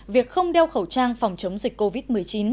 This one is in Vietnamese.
việc không đeo khẩu trang phòng chống dịch covid một mươi chín